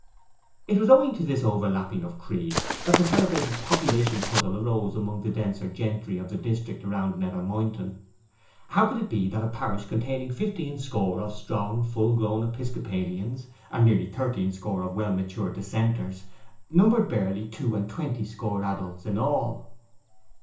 It was owing to this overlapping of creeds that the celebrated population puzzle arose among the denser gentry of the district around Nether Moynton: how could it be that a parish containing fifteen score of strong full grown Episcopalians, and nearly thirteen score of well matured Dissenters, numbered barely two and twenty score adults in all?